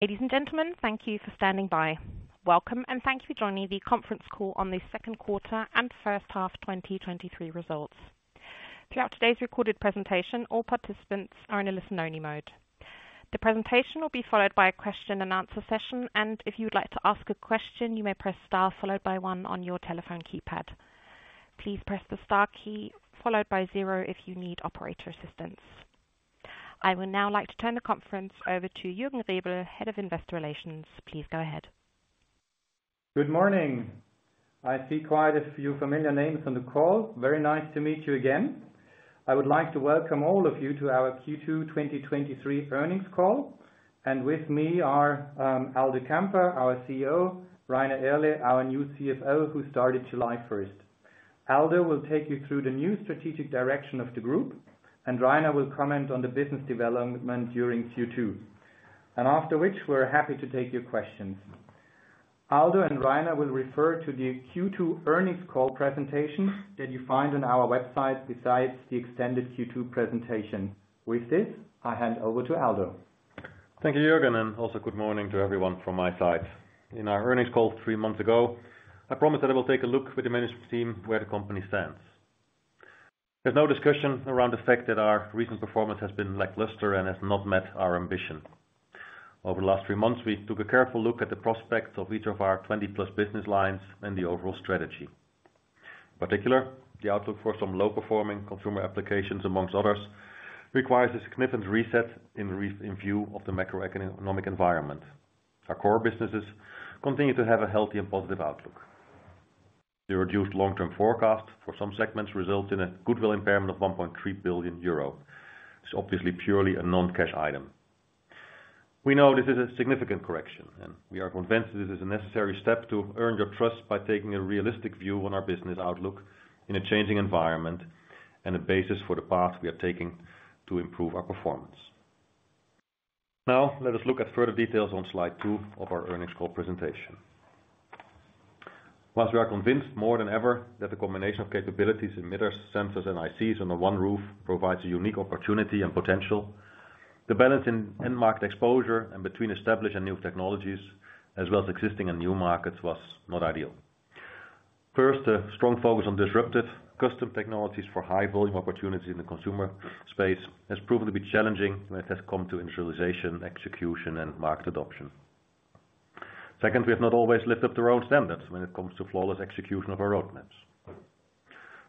Ladies and gentlemen, thank you for standing by. Welcome, and thank you for joining the conference call on the second quarter and first half 2023 results. Throughout today's recorded presentation, all participants are in a listen-only mode. The presentation will be followed by a question and answer session, and if you would like to ask a question, you may press star followed by one on your telephone keypad. Please press the star key followed by zero if you need operator assistance. I would now like to turn the conference over to Juergen Rebel, Head of Investor Relations. Please go ahead. Good morning. I see quite a few familiar names on the call. Very nice to meet you again. I would like to welcome all of you to our Q2 2023 earnings call. With me are Aldo Kamper, our CEO, Rainer Irle, our new CFO, who started July 1st. Aldo will take you through the new strategic direction of the group. Rainer will comment on the business development during Q2, after which we're happy to take your questions. Aldo and Rainer will refer to the Q2 earnings call presentation that you find on our website, besides the extended Q2 presentation. With this, I hand over to Aldo. Thank you, Juergen. Also good morning to everyone from my side. In our earnings call 3 months ago, I promised that I will take a look with the management team where the company stands. There's no discussion around the fact that our recent performance has been lackluster and has not met our ambition. Over the last 3 months, we took a careful look at the prospects of each of our 20-plus business lines and the overall strategy. Particular, the outlook for some low-performing consumer applications, amongst others, requires a significant reset in view of the macroeconomic environment. Our core businesses continue to have a healthy and positive outlook. The reduced long-term forecast for some segments result in a goodwill impairment of 1.3 billion euro. It's obviously purely a non-cash item. We know this is a significant correction, and we are convinced this is a necessary step to earn your trust by taking a realistic view on our business outlook in a changing environment and a basis for the path we are taking to improve our performance. Now, let us look at further details on slide 2 of our earnings call presentation. Once we are convinced more than ever that the combination of capabilities, emitters, sensors, and ICs under one roof provides a unique opportunity and potential, the balance in end market exposure and between established and new technologies, as well as existing and new markets, was not ideal. First, a strong focus on disruptive custom technologies for high volume opportunity in the consumer space has proven to be challenging when it has come to industrialization, execution, and market adoption. Second, we have not always lived up to our own standards when it comes to flawless execution of our roadmaps.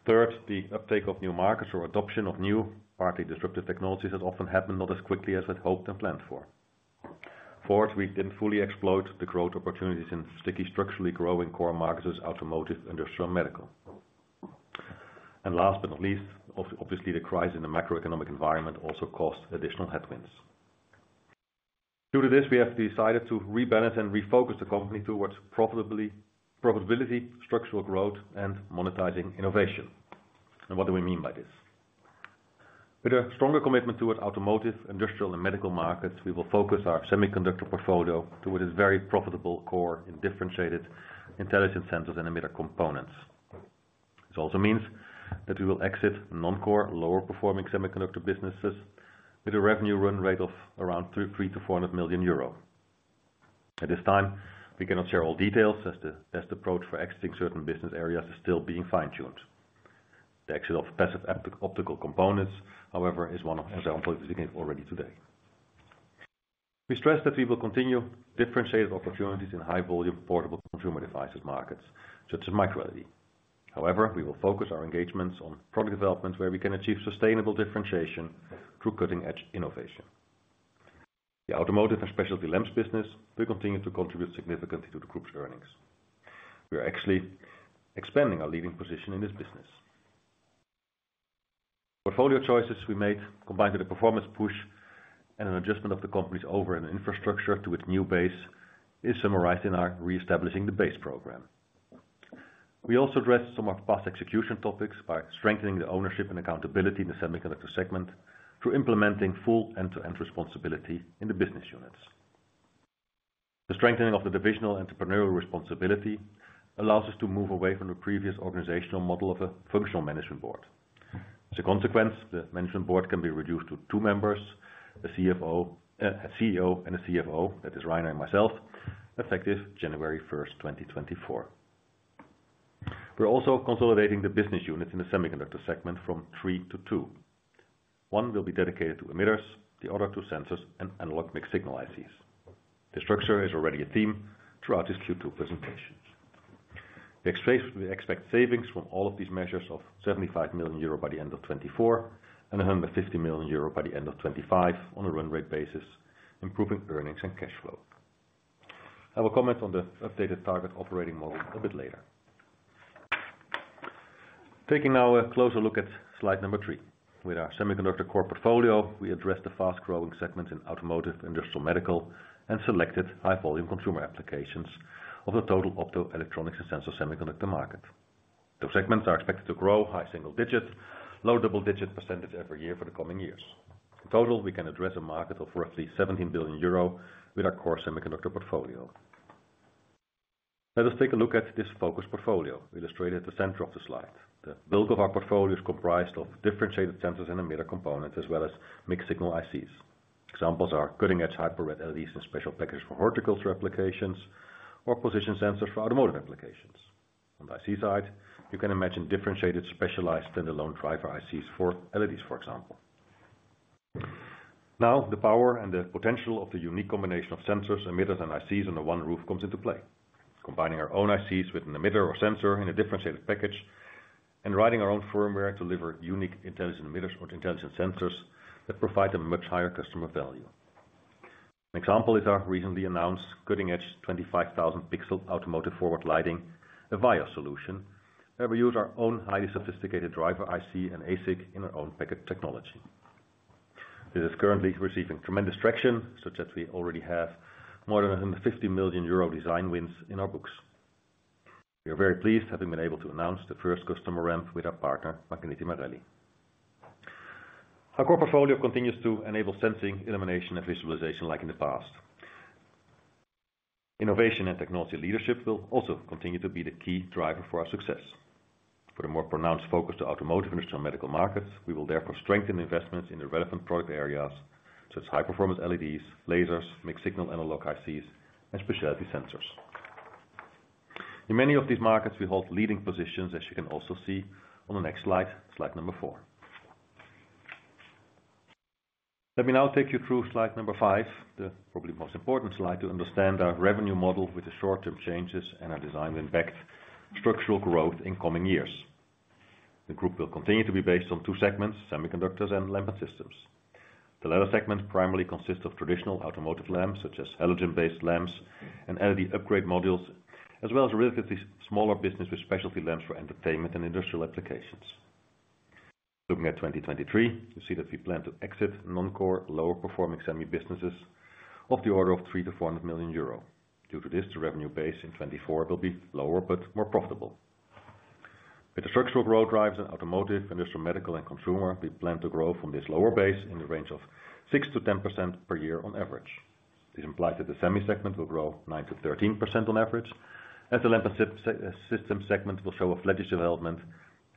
Third, the uptake of new markets or adoption of new, partly disruptive technologies, has often happened not as quickly as I'd hoped and planned for. Fourth, we didn't fully exploit the growth opportunities in sticky, structurally growing core markets, automotive, industrial, and medical. Last but not least, obviously, the crisis in the macroeconomic environment also caused additional headwinds. Due to this, we have decided to rebalance and refocus the company towards profitability, structural growth, and monetizing innovation. What do we mean by this? With a stronger commitment to automotive, industrial, and medical markets, we will focus our semiconductor portfolio to its very profitable core in differentiated intelligent sensors and emitter components. This also means that we will exit non-core, lower-performing semiconductor businesses with a revenue run rate of around 300 million-400 million euro. At this time, we cannot share all details, as the best approach for exiting certain business areas is still being fine-tuned. The exit of passive optical components, however, is one of the examples we can give already today. We stress that we will continue differentiated opportunities in high volume, portable consumer devices markets, such as microLED. However, we will focus our engagements on product development, where we can achieve sustainable differentiation through cutting-edge innovation. The automotive and specialty lamps business will continue to contribute significantly to the group's earnings. We are actually expanding our leading position in this business. Portfolio choices we make, combined with a performance push and an adjustment of the company's over and infrastructure to its new base, is summarized in our Re-establish the Base program. We also addressed some of past execution topics by strengthening the ownership and accountability in the semiconductor segment through implementing full end-to-end responsibility in the business units. The strengthening of the divisional entrepreneurial responsibility allows us to move away from the previous organizational model of a functional management board. As a consequence, the management board can be reduced to 2 members, a CEO and a CFO, that is Rainer and myself, effective January 1st, 2024. We're also consolidating the business units in the semiconductor segment from 3-2. One will be dedicated to emitters, the other 2, sensors and analog mixed-signal ICs. This structure is already a theme throughout this Q2 presentation. We expect savings from all of these measures of 75 million euro by the end of 2024 and 150 million euro by the end of 2025 on a run rate basis, improving earnings and cash flow. I will comment on the updated target operating model a bit later. Taking now a closer look at slide number 3. With our semiconductor core portfolio, we address the fast-growing segments in automotive, industrial, medical, and selected high-volume consumer applications of the total optoelectronics and sensor semiconductor market. Those segments are expected to grow high single-digits, low double-digit % every year for the coming years. In total, we can address a market of roughly 17 billion euro with our core semiconductor portfolio. Let us take a look at this focused portfolio, illustrated at the center of the slide. The bulk of our portfolio is comprised of differentiated sensors and emitter components, as well as mixed-signal ICs. Examples are cutting-edge Hyper Red LEDs and special packages for horticulture applications or position sensors for automotive applications. On the IC side, you can imagine differentiated, specialized, stand-alone driver ICs for LEDs, for example. Now, the power and the potential of the unique combination of sensors, emitters, and ICs under one roof comes into play. Combining our own ICs with an emitter or sensor in a differentiated package, and writing our own firmware to deliver unique intelligent emitters or intelligent sensors that provide a much higher customer value. An example is our recently announced cutting-edge 25,000 pixel automotive forward lighting, EVIYOS solution, where we use our own highly sophisticated driver IC and ASIC in our own package technology. This is currently receiving tremendous traction, such that we already have more than 50 million euro design wins in our books. We are very pleased, having been able to announce the first customer ramp with our partner, Marelli. Our core portfolio continues to enable sensing, illumination, and visualization like in the past. Innovation and technology leadership will also continue to be the key driver for our success. For a more pronounced focus to automotive, industrial, medical markets, we will therefore strengthen investments in the relevant product areas, such as high-performance LEDs, lasers, mixed-signal analog ICs, and specialty sensors. In many of these markets, we hold leading positions, as you can also see on the next slide, slide number 4. Let me now take you through slide number 5, the probably most important slide, to understand our revenue model with the short-term changes and our design win-backed structural growth in coming years. The group will continue to be based on two segments, semiconductors and lamp and systems. The latter segment primarily consists of traditional automotive lamps, such as halogen-based lamps and LED upgrade modules, as well as a relatively smaller business with specialty lamps for entertainment and industrial applications. Looking at 2023, you see that we plan to exit non-core, lower-performing semi businesses of the order of 300 million-400 million euro. Due to this, the revenue base in 2024 will be lower but more profitable. With the structural growth drivers in automotive, industrial, medical, and consumer, we plan to grow from this lower base in the range of 6%-10% per year on average. This implies that the semi segment will grow 9%-13% on average, as the lamp and system segment will show a sluggish development,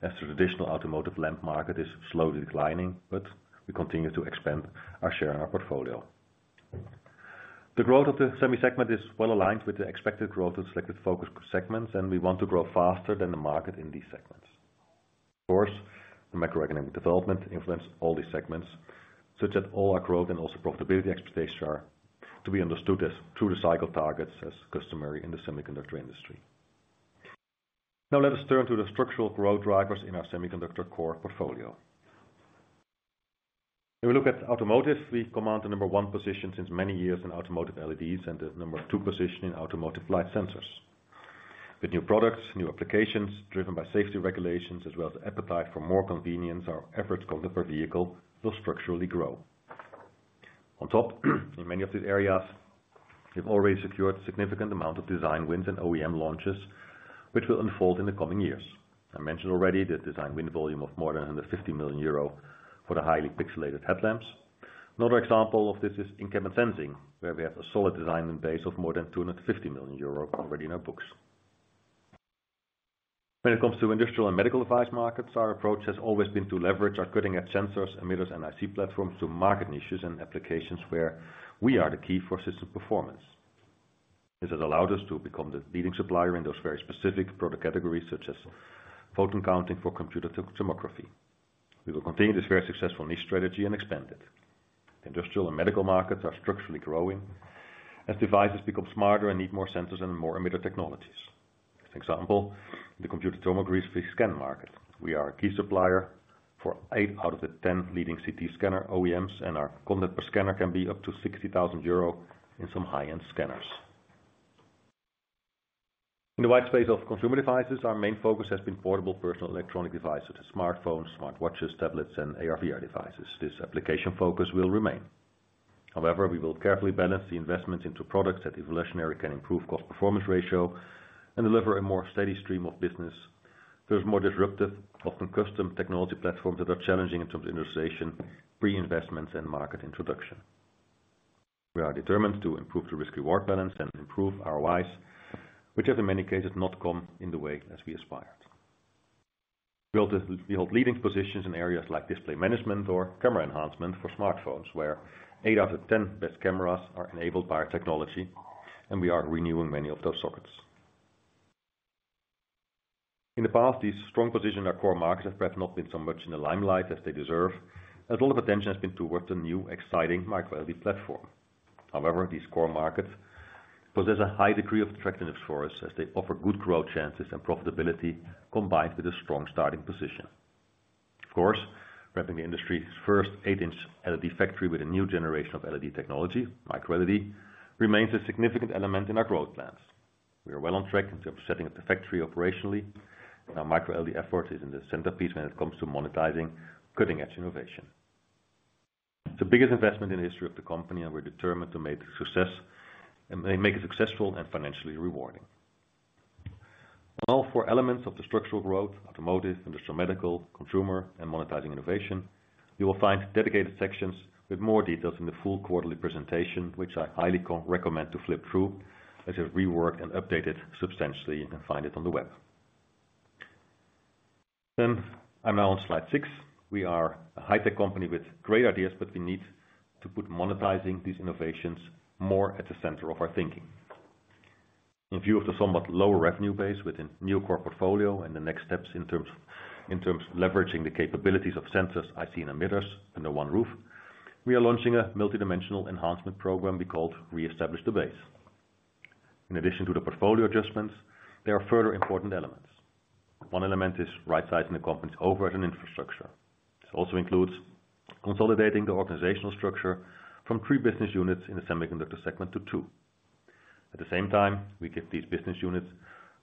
as the traditional automotive lamp market is slowly declining. We continue to expand our share in our portfolio. The growth of the semi segment is well aligned with the expected growth of selected focus segments. We want to grow faster than the market in these segments. Of course, the macroeconomic development influence all these segments, such that all our growth and also profitability expectations are to be understood as through the cycle targets as customary in the semiconductor industry. Now, let us turn to the structural growth drivers in our semiconductor core portfolio. If we look at automotive, we command the number 1 position since many years in automotive LEDs and the number 2 position in automotive light sensors. With new products, new applications, driven by safety regulations, as well as appetite for more convenience, our efforts content per vehicle will structurally grow. In many of these areas, we've already secured significant amount of design wins and OEM launches, which will unfold in the coming years. I mentioned already the design win volume of more than 150 million euro for the highly pixelated headlamps. Another example of this is in-cabin sensing, where we have a solid design and base of more than 250 million euro already in our books. When it comes to industrial and medical device markets, our approach has always been to leverage our cutting-edge sensors, emitters, and IC platforms to market niches and applications where we are the key for system performance. This has allowed us to become the leading supplier in those very specific product categories, such as photon counting for computed tomography. We will continue this very successful niche strategy and expand it. Industrial and medical markets are structurally growing as devices become smarter and need more sensors and more emitter technologies. For example, the computed tomography scan market. We are a key supplier for 8 out of the 10 leading CT scanner OEMs, and our content per scanner can be up to 60,000 euro in some high-end scanners. In the wide space of consumer devices, our main focus has been portable personal electronic devices, smartphones, smartwatches, tablets, and AR/VR devices. This application focus will remain. However, we will carefully balance the investments into products that evolutionary can improve cost performance ratio and deliver a more steady stream of business. There's more disruptive, often custom technology platforms that are challenging in terms of industrialization, pre-investments, and market introduction. We are determined to improve the risk-reward balance and improve ROIs, which have in many cases not come in the way as we aspired. We hold leading positions in areas like display management or camera enhancement for smartphones, where eight out of the 10 best cameras are enabled by our technology, and we are renewing many of those sockets. In the past, these strong positions in our core markets have perhaps not been so much in the limelight as they deserve, as all the attention has been towards the new, exciting microLED platform. These core markets possess a high degree of attractiveness for us, as they offer good growth chances and profitability, combined with a strong starting position. Of course, repping the industry's first 8-inch LED factory with a new generation of LED technology, microLED, remains a significant element in our growth plans. We are well on track in terms of setting up the factory operationally. Our microLED effort is in the centerpiece when it comes to monetizing cutting-edge innovation. It's the biggest investment in the history of the company, and we're determined to make it successful and financially rewarding. All four elements of the structural growth, automotive, industrial medical, consumer, and monetizing innovation, you will find dedicated sections with more details in the full quarterly presentation, which I highly co- recommend to flip through, as we've reworked and updated substantially, you can find it on the web. I'm now on slide 6. We are a high-tech company with great ideas, we need to put monetizing these innovations more at the center of our thinking. In view of the somewhat lower revenue base within new core portfolio and the next steps in terms of leveraging the capabilities of sensors, IC and emitters under one roof, we are launching a multidimensional enhancement program we called Re-establish the Base. In addition to the portfolio adjustments, there are further important elements. One element is right-sizing the company's overhead and infrastructure. This also includes consolidating the organizational structure from 3 business units in the semiconductor segment to 2. At the same time, we give these business units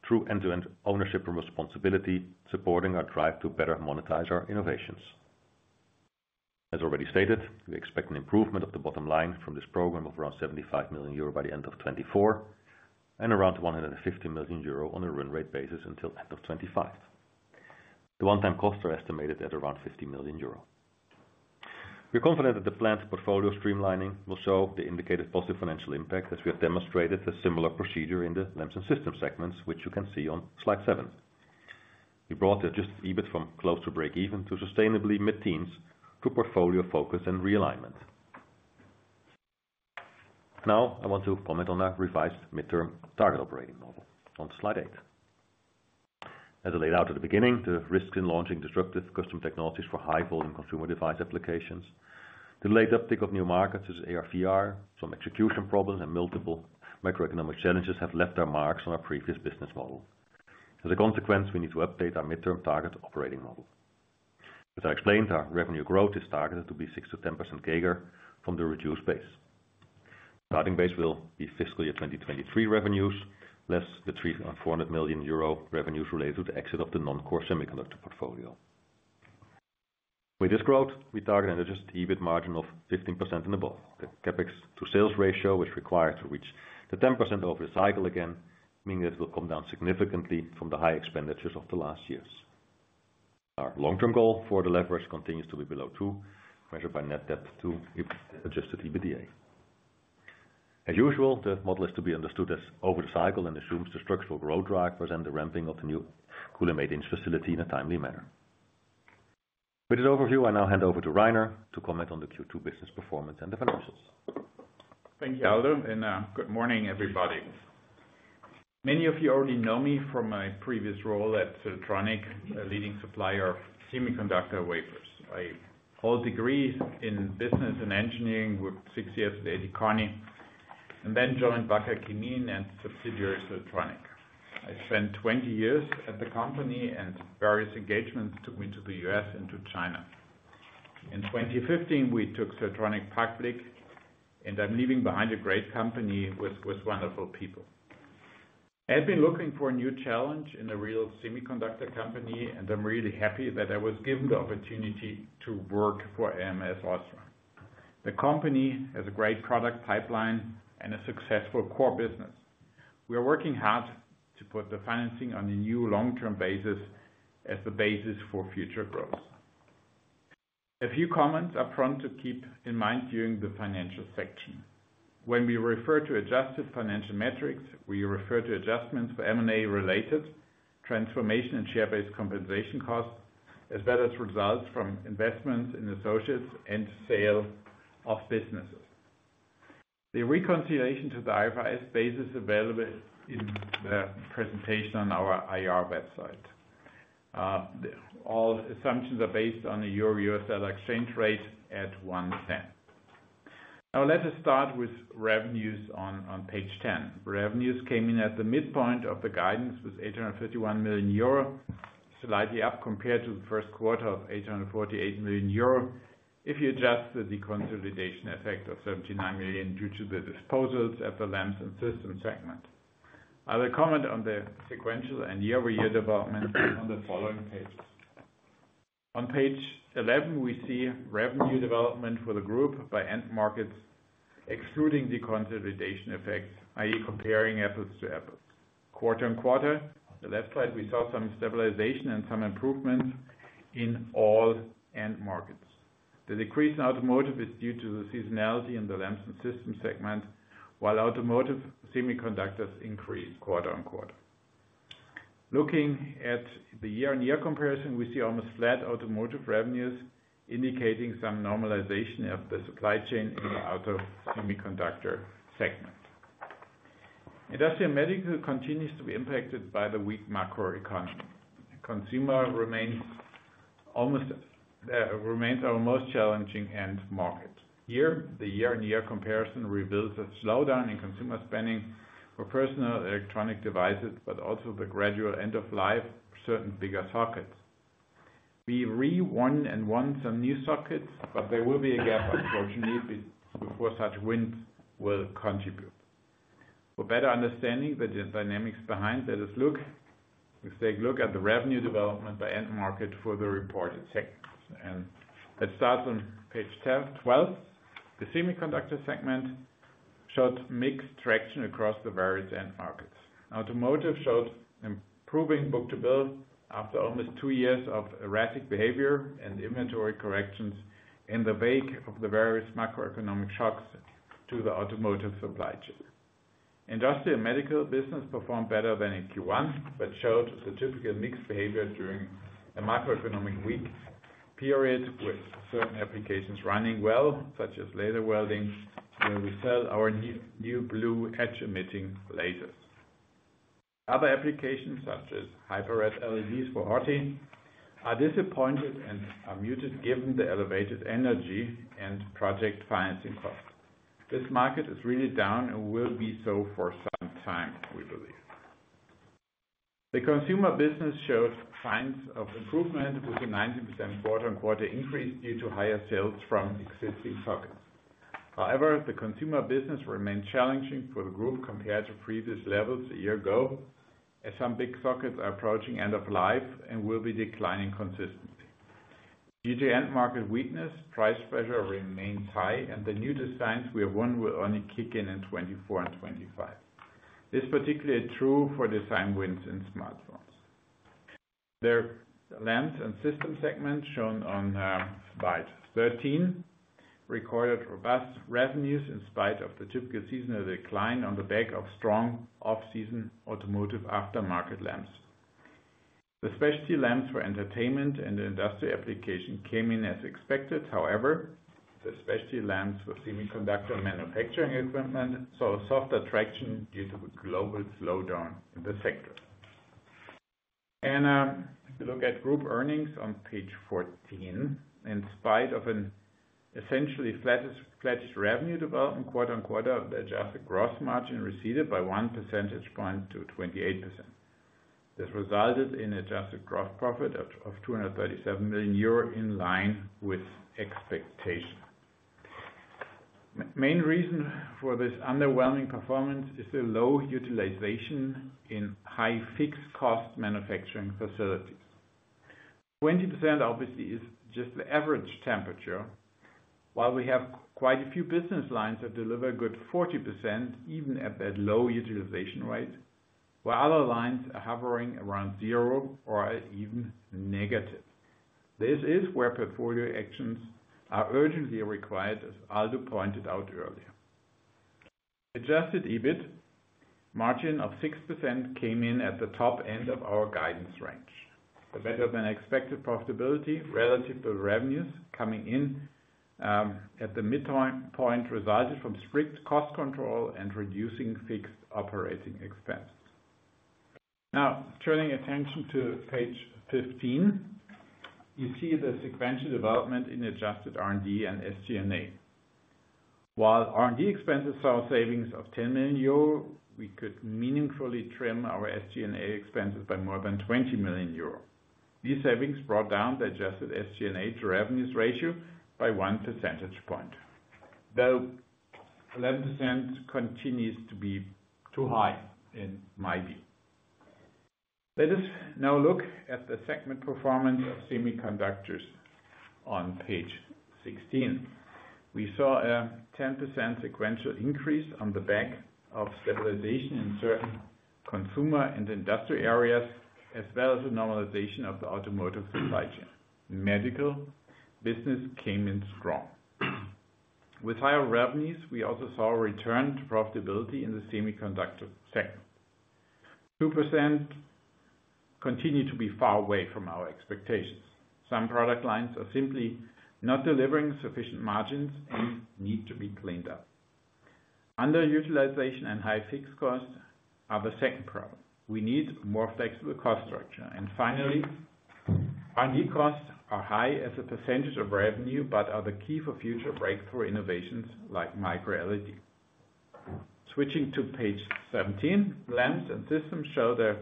true end-to-end ownership and responsibility, supporting our drive to better monetize our innovations. As already stated, we expect an improvement of the bottom line from this program of around 75 million euro by the end of 2024, and around 150 million euro on a run rate basis until end of 2025. The one-time costs are estimated at around 50 million euro. We are confident that the planned portfolio streamlining will show the indicated positive financial impact, as we have demonstrated a similar procedure in the lamps and system segments, which you can see on slide 7. We brought the adjusted EBIT from close to breakeven to sustainably mid-teens through portfolio focus and realignment. I want to comment on our revised midterm target operating model on slide 8. As I laid out at the beginning, the risks in launching disruptive custom technologies for high-volume consumer device applications, the late uptick of new markets as ARVR, some execution problems, and multiple macroeconomic challenges have left their marks on our previous business model. As a consequence, we need to update our midterm target operating model. As I explained, our revenue growth is targeted to be 6%-10% CAGR from the reduced base. Starting base will be fiscally at 2023 revenues, less the 300 million-400 million euro revenues related to the exit of the non-core semiconductor portfolio. With this growth, we target an adjusted EBIT margin of 15% and above. The CapEx to sales ratio is required to reach the 10% over the cycle again, meaning it will come down significantly from the high expenditures of the last years. Our long-term goal for the leverage continues to be below 2, measured by net debt to adjusted EBITDA. As usual, the model is to be understood as over the cycle and assumes the structural growth drivers and the ramping of the new Kulim manufacturing facility in a timely manner. With this overview, I now hand over to Rainer to comment on the Q2 business performance and the financials. Thank you, Aldo. Good morning, everybody. Many of you already know me from my previous role at Siltronic, a leading supplier of semiconductor wafers. I hold degrees in business and engineering, with 6 years at A.T. Kearney, then joined Wacker Chemie and subsidiary Siltronic. I spent 20 years at the company, various engagements took me to the US and to China. In 2015, we took Siltronic public, I'm leaving behind a great company with wonderful people. I've been looking for a new challenge in a real semiconductor company, I'm really happy that I was given the opportunity to work for ams OSRAM. The company has a great product pipeline and a successful core business. We are working hard to put the financing on a new long-term basis as the basis for future growth. A few comments up front to keep in mind during the financial section. When we refer to adjusted financial metrics, we refer to adjustments for M&A-related transformation and share-based compensation costs, as well as results from investments in associates and sale of businesses. The reconciliation to the IFRS base is available in the presentation on our IR website. All assumptions are based on a Euro-US dollar exchange rate at $0.01. Let us start with revenues on page 10. Revenues came in at the midpoint of the guidance, with 831 million euro, slightly up compared to the first quarter of 848 million euro. If you adjust the deconsolidation effect of 79 million due to the disposals at the lamps and systems segment. I will comment on the sequential and year-over-year development on the following pages. On page 11, we see revenue development for the group by end markets, excluding the consolidation effects, i.e., comparing apples to apples. Quarter-on-quarter, on the left side, we saw some stabilization and some improvement in all end markets. The decrease in automotive is due to the seasonality in the lamps and systems segment, while automotive semiconductors increased quarter-on-quarter. Looking at the year-on-year comparison, we see almost flat automotive revenues, indicating some normalization of the supply chain in the auto semiconductor segment. Industrial medical continues to be impacted by the weak macroeconomy. Consumer remains almost remains our most challenging end market. Here, the year-on-year comparison reveals a slowdown in consumer spending for personal electronic devices, but also the gradual end of life, certain bigger sockets. We rewon and won some new sockets, but there will be a gap, unfortunately, before such wins will contribute. For better understanding the dynamics behind, let's take a look at the revenue development by end market for the reported segments. Let's start on page 10, 12. The semiconductor segment showed mixed traction across the various end markets. Automotive showed improving book-to-bill after almost 2 years of erratic behavior and inventory corrections in the wake of the various macroeconomic shocks to the automotive supply chain. Industrial and medical business performed better than in Q1, showed a significant mixed behavior during a macroeconomic weak period, with certain applications running well, such as laser welding, where we sell our new blue edge-emitting lasers. Other applications, such as Hyper Red LEDs for RT, are disappointed and are muted given the elevated energy and project financing costs. This market is really down and will be so for some time, we believe. The consumer business showed signs of improvement with a 90% quarter-on-quarter increase due to higher sales from existing sockets. The consumer business remains challenging for the group compared to previous levels a year ago, as some big sockets are approaching end of life and will be declining consistently. Due to end market weakness, price pressure remains high, and the new designs we have won will only kick in in 2024 and 2025. This is particularly true for design wins in smartphones. The lamps and system segment shown on slide 13, recorded robust revenues in spite of the typical seasonal decline on the back of strong off-season automotive aftermarket lamps. The specialty lamps for entertainment and industrial application came in as expected. The specialty lamps for semiconductor manufacturing equipment, saw softer traction due to the global slowdown in the sector. If you look at group earnings on page 14, in spite of an essentially flattish revenue development quarter-on-quarter, the adjusted gross margin receded by 1 percentage point to 28%. This resulted in adjusted gross profit of 237 million euro, in line with expectation. Main reason for this underwhelming performance is the low utilization in high fixed cost manufacturing facilities. 20% obviously is just the average temperature, while we have quite a few business lines that deliver a good 40%, even at that low utilization rate, while other lines are hovering around 0 or are even negative. This is where portfolio actions are urgently required, as Aldo pointed out earlier. Adjusted EBIT margin of 6% came in at the top end of our guidance range. A better than expected profitability relative to revenues coming in, at the midterm point, resulted from strict cost control and reducing fixed operating expenses. Turning attention to page 15, you see the sequential development in adjusted R&D and SG&A. While R&D expenses saw savings of 10 million euro, we could meaningfully trim our SG&A expenses by more than 20 million euro. These savings brought down the adjusted SG&A to revenues ratio by 1 percentage point, though 11% continues to be too high in my view. Let us now look at the segment performance of semiconductors on page 16. We saw a 10% sequential increase on the back of stabilization in certain consumer and industrial areas, as well as the normalization of the automotive supply chain. Medical business came in strong. With higher revenues, we also saw a return to profitability in the semiconductor sector. 2% continue to be far away from our expectations. Some product lines are simply not delivering sufficient margins and need to be cleaned up. Underutilization and high fixed costs are the second problem. We need more flexible cost structure. Finally, R&D costs are high as a percentage of revenue, but are the key for future breakthrough innovations like microLED. Switching to page 17, lamps and systems show the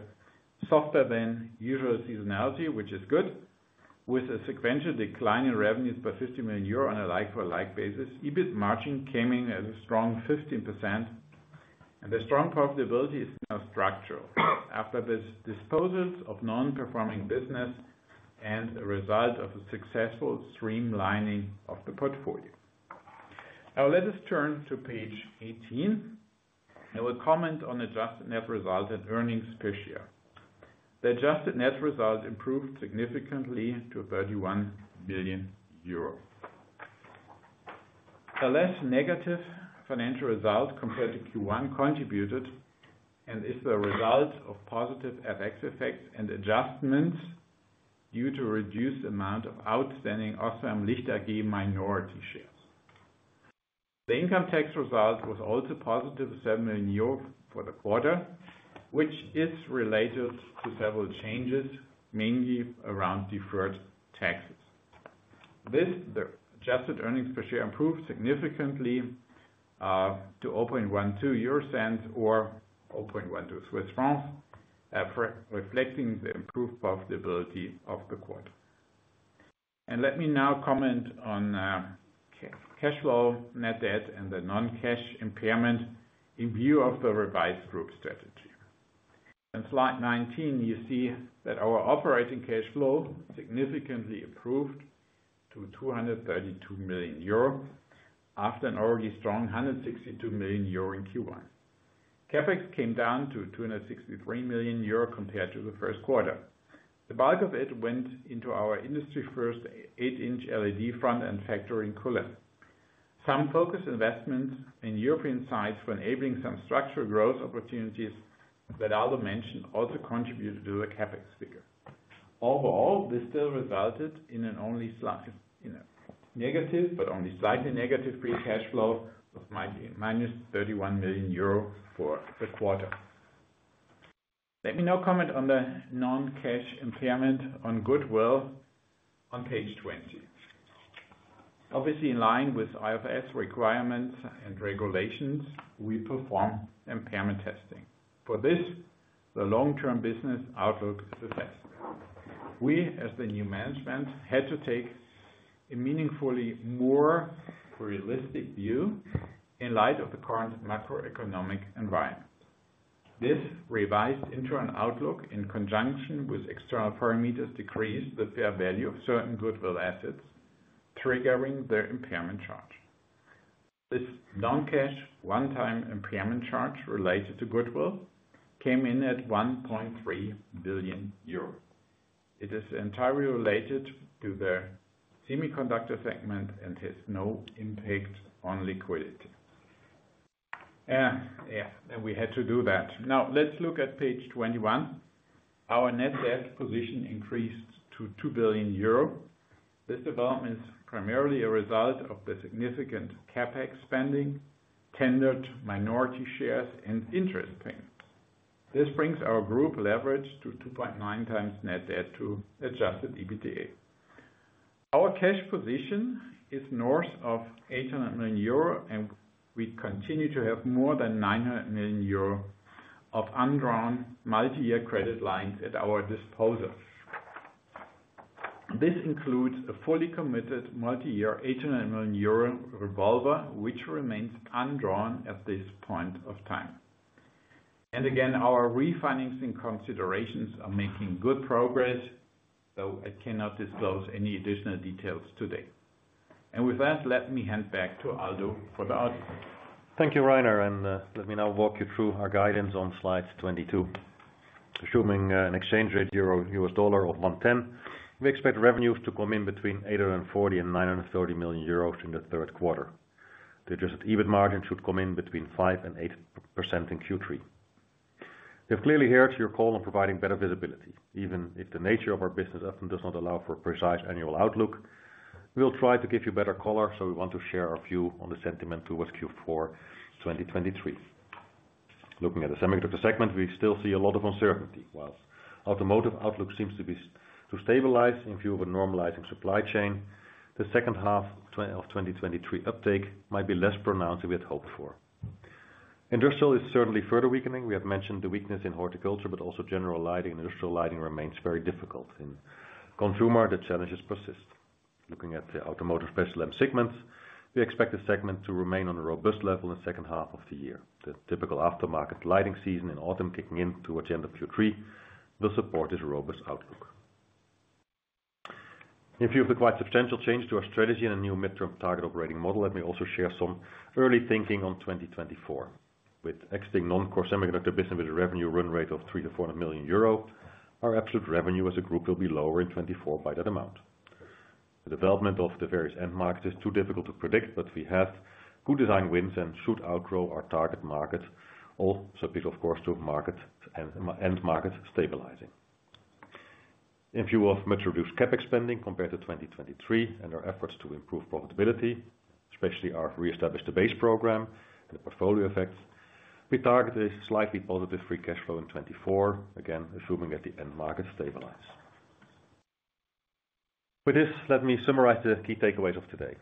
softer than usual seasonality, which is good. With a sequential decline in revenues by 50 million euro on a like-for-like basis, EBIT margin came in as a strong 15%, and the strong profitability is now structural, after this disposals of non-performing business and a result of a successful streamlining of the portfolio. Now, let us turn to page 18. I will comment on adjusted net results and earnings per share. The adjusted net result improved significantly to 31 million euro. A less negative financial result compared to Q1 contributed, is the result of positive FX effects and adjustments due to reduced amount of outstanding OSRAM Licht AG minority shares. The income tax result was also positive, 7 million euro for the quarter, which is related to several changes, mainly around deferred taxes. The adjusted earnings per share improved significantly to 0.12 or 0.12, re-reflecting the improved profitability of the quarter. Let me now comment on cash flow, net debt, and the non-cash impairment in view of the revised group strategy. On slide 19, you see that our operating cash flow significantly improved to 232 million euro, after an already strong 162 million euro in Q1. CapEx came down to 263 million euro compared to the first quarter. The bulk of it went into our industry first 8-inch LED front-end factory in Kulim. Some focused investments in European sites for enabling some structural growth opportunities that Aldo mentioned also contributed to the CapEx figure. Overall, this still resulted in an only slight, you know, negative, but only slightly negative free cash flow of minus 31 million euro for the quarter. Let me now comment on the non-cash impairment on goodwill on page 20. Obviously, in line with IFRS requirements and regulations, we perform impairment testing. For this, the long-term business outlook is assessed. We, as the new management, had to take a meaningfully more realistic view in light of the current macroeconomic environment. This revised interim outlook, in conjunction with external parameters, decreased the fair value of certain goodwill assets, triggering the impairment charge. This non-cash, one-time impairment charge related to goodwill came in at 1.3 billion euros. It is entirely related to the semiconductor segment and has no impact on liquidity. Yeah, we had to do that. Now, let's look at page 21. Our net debt position increased to 2 billion euro. This development is primarily a result of the significant CapEx spending, tendered minority shares, and interest payments. This brings our group leverage to 2.9 times net debt to adjusted EBITDA. Our cash position is north of 800 million euro, and we continue to have more than 900 million euro of undrawn multi-year credit lines at our disposal. This includes a fully committed multi-year 800 million euro revolver, which remains undrawn at this point of time. Again, our refinancing considerations are making good progress, though I cannot disclose any additional details today. With that, let me hand back to Aldo for the outlook. Thank you, Rainer, let me now walk you through our guidance on slide 22. Assuming an exchange rate EUR/USD of 1.10, we expect revenues to come in between 840 million and 930 million euros in the third quarter. The adjusted EBIT margin should come in between 5% and 8% in Q3. We've clearly heard your call on providing better visibility, even if the nature of our business often does not allow for a precise annual outlook, we will try to give you better color. We want to share our view on the sentiment towards Q4 2023. Looking at the semiconductor segment, we still see a lot of uncertainty, whilst automotive outlook seems to stabilize in view of a normalizing supply chain. The second half of 2023 uptake might be less pronounced than we had hoped for. Industrial is certainly further weakening. We have mentioned the weakness in horticulture, also general lighting and industrial lighting remains very difficult. In consumer, the challenges persist. Looking at the automotive special end segments, we expect the segment to remain on a robust level in second half of the year. The typical aftermarket lighting season in autumn, kicking in towards the end of Q3, will support this robust outlook. In view of the quite substantial change to our strategy and a new midterm target operating model, let me also share some early thinking on 2024. With exiting non-core semiconductor business with a revenue run rate of 300 million-400 million euro, our absolute revenue as a group will be lower in 2024 by that amount. The development of the various end markets is too difficult to predict, but we have good design wins and should outgrow our target market, all subject, of course, to market and, and end market stabilizing. In view of much reduced CapEx spending compared to 2023, and our efforts to improve profitability, especially our Re-establish the Base program and the portfolio effects, we target a slightly positive free cash flow in 2024, again, assuming that the end market stabilize. With this, let me summarize the key takeaways of today.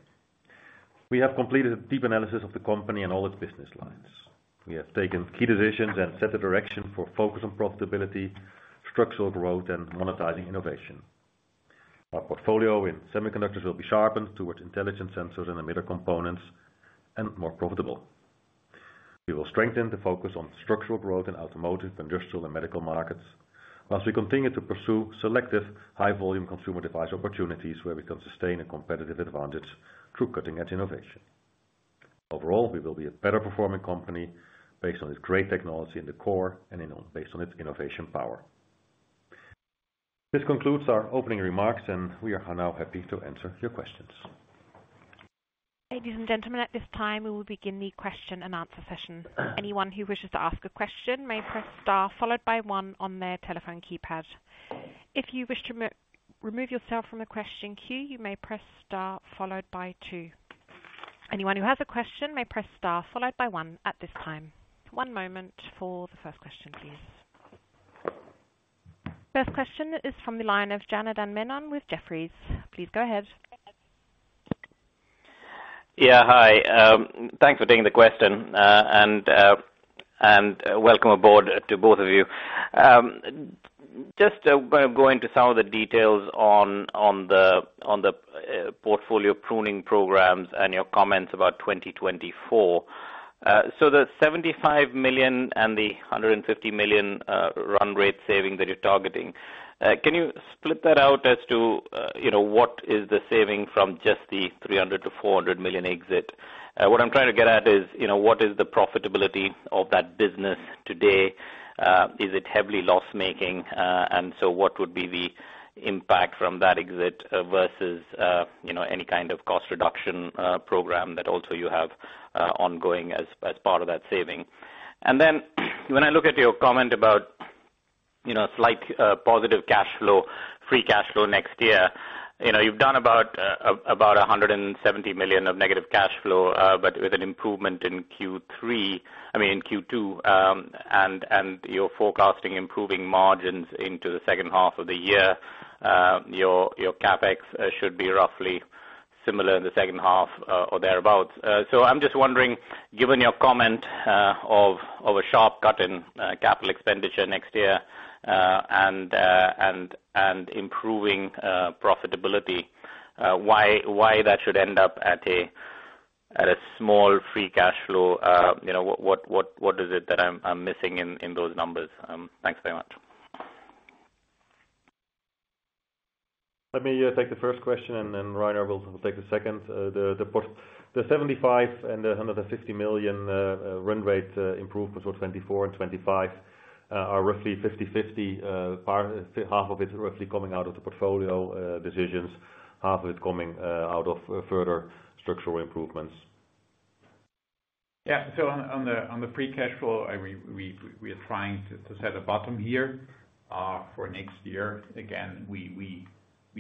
We have completed a deep analysis of the company and all its business lines. We have taken key decisions and set a direction for focus on profitability, structural growth, and monetizing innovation. Our portfolio in semiconductors will be sharpened towards intelligent sensors and emitter components, and more profitable. We will strengthen the focus on structural growth in automotive, industrial, and medical markets, whilst we continue to pursue selective, high-volume consumer device opportunities where we can sustain a competitive advantage through cutting-edge innovation. Overall, we will be a better performing company based on its great technology in the core and, you know, based on its innovation power. This concludes our opening remarks, and we are now happy to answer your questions. Ladies and gentlemen, at this time, we will begin the question and answer session. Anyone who wishes to ask a question may press star, followed by one on their telephone keypad. If you wish to re-remove yourself from the question queue, you may press star, followed by two. Anyone who has a question may press star, followed by one at this time. One moment for the first question, please. First question is from the line of Janardan Menon with Jefferies. Please go ahead. Yeah, hi. Thanks for taking the question, and welcome aboard to both of you. Just by going to some of the details on, on the, on the portfolio pruning programs and your comments about 2024. The 75 million and the 150 million run rate saving that you're targeting, can you split that out as to, you know, what is the saving from just the 300 million-400 million exit? What I'm trying to get at is, you know, what is the profitability of that business today? Is it heavily loss making? What would be the impact from that exit versus, you know, any kind of cost reduction program that also you have ongoing as, as part of that saving? When I look at your comment about, you know, slight positive cashflow, free cashflow next year, you know, you've done about 170 million of negative cashflow with an improvement in Q3, I mean, in Q2. You're forecasting improving margins into the second half of the year, your CapEx should be roughly similar in the second half or thereabout. I'm just wondering, given your comment of a sharp cut in capital expenditure next year and improving profitability, why that should end up at a small free cash flow? You know, what, what, what, what is it that I'm, I'm missing in, in those numbers? Thanks very much. Let me take the first question, and then Rainer will, will take the second. The 75 million and the 150 million run rate improvements for 2024 and 2025 are roughly 50/50, half of it roughly coming out of the portfolio decisions, half of it coming out of further structural improvements. Yeah. On, on the, on the free cash flow, we are trying to set a bottom here for next year. Again, we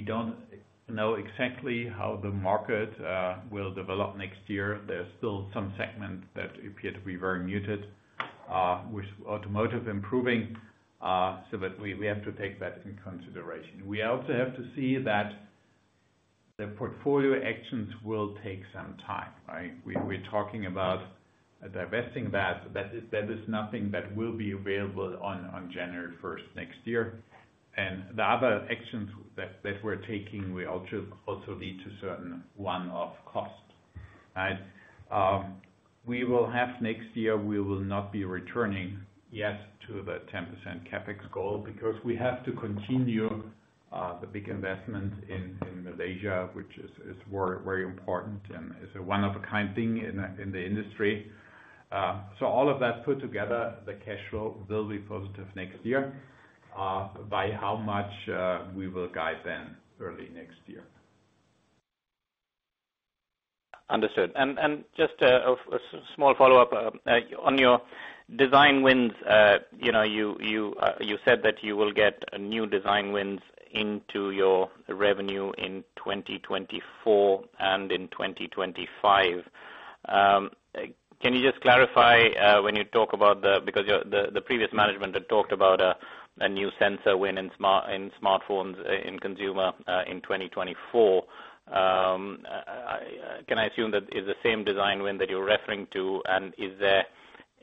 don't know exactly how the market will develop next year. There's still some segments that appear to be very muted with automotive improving, so that we have to take that into consideration. We also have to see that the portfolio actions will take some time, right? We're talking about divesting that is nothing that will be available on January first next year. The other actions that we're taking will also lead to certain one-off costs, right? We will have next year, we will not be returning yet to the 10% CapEx goal, because we have to continue the big investment in Malaysia, which is very, very important and is a one-of-a-kind thing in the industry. All of that put together, the cash flow will be positive next year, by how much, we will guide then early next year. Understood. Just a small follow-up on your design wins. You know, you, you said that you will get new design wins into your revenue in 2024 and in 2025. Can you just clarify when you talk about the... Because your- the, the previous management had talked about a new sensor win in smart- in smartphones, in consumer, in 2024. Can I assume that it's the same design win that you're referring to? Is there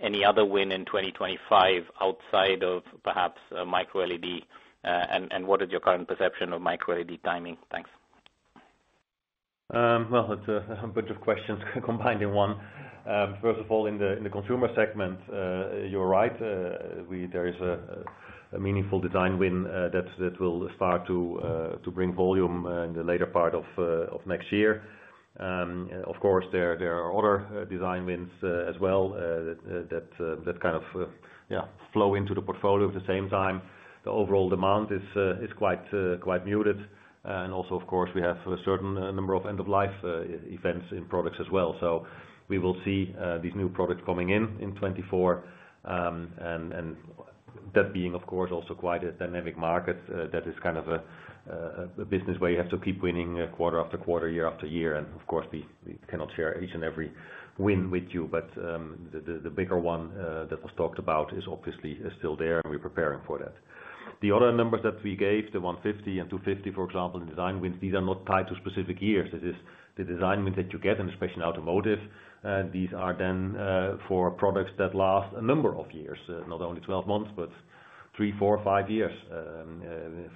any other win in 2025 outside of perhaps microLED? What is your current perception of microLED timing? Thanks. Well, it's a, a bunch of questions combined in one. First of all, in the, in the consumer segment, you're right. There is a, a meaningful design win, that, that will start to, to bring volume in the later part of, of next year. Of course, there, there are other, design wins, as well, that, that, kind of, yeah, flow into the portfolio at the same time. The overall demand is, is quite, quite muted. Also, of course, we have a certain, number of end of life, events in products as well. We will see, these new products coming in in 2024. That being, of course, also quite a dynamic market, that is kind of a business where you have to keep winning quarter after quarter, year after year. Of course, we cannot share each and every win with you, but the bigger one that was talked about is obviously still there, and we're preparing for that. The other numbers that we gave, the 150 and 250, for example, in design wins, these are not tied to specific years. It is the design win that you get, and especially in automotive, these are then for products that last a number of years, not only 12 months, but 3, 4, 5 years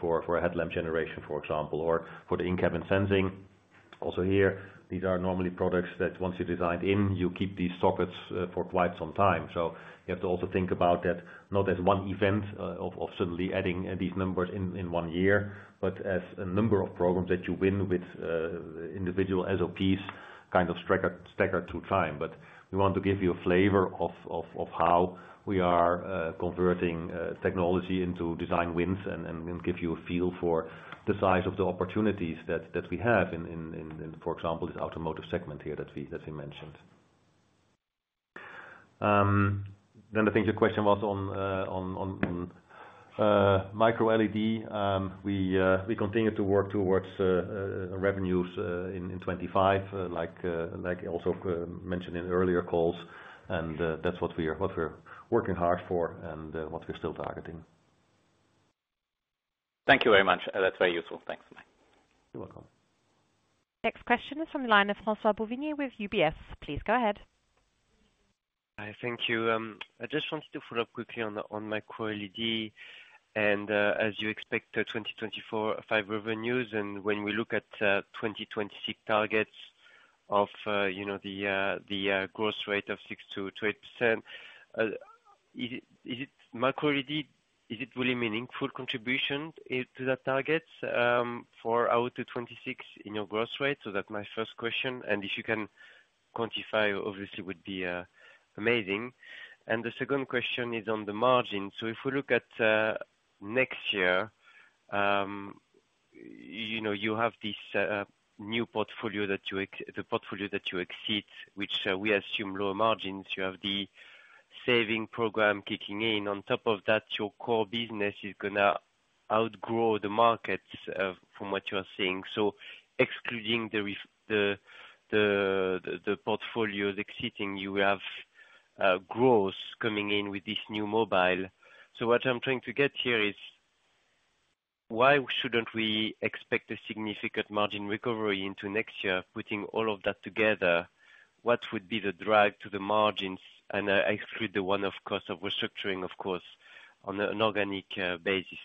for a headlamp generation, for example, or for the in-cabin sensing. Here, these are normally products that once you're designed in, you keep these sockets for quite some time. You have to also think about that, not as one event of suddenly adding these numbers in one year, but as a number of programs that you win with individual SOPs kind of staggered, staggered through time. We want to give you a flavor of how we are converting technology into design wins and give you a feel for the size of the opportunities that we have in, for example, this automotive segment here that we mentioned. I think the question was on microLED. We continue to work towards revenues in 2025, like I also mentioned in earlier calls. That's what we're working hard for and what we're still targeting. Thank you very much. That's very useful. Thanks bye. You're welcome. Next question is from the line of François-Xavier Bouvignies with UBS. Please go ahead. Hi, thank you. I just wanted to follow up quickly on the microLED as you expect 2024, 2025 revenues, and when we look at 2026 targets of, you know, the growth rate of 6%-12%, is it microLED? Is it really meaningful contribution to the targets for out to 2026 in your growth rate? That's my first question, and if you can quantify, obviously would be amazing. The second question is on the margin. If we look at next year, you know, you have this new portfolio that you exit, which we assume lower margins. You have the savings program kicking in. On top of that, your core business is gonna outgrow the markets from what you are seeing. Excluding the portfolio exiting, you have growth coming in with this new mobile. What I'm trying to get here is, why shouldn't we expect a significant margin recovery into next year? Putting all of that together, what would be the drive to the margins? Exclude the one, of course, of restructuring, of course, on an organic basis.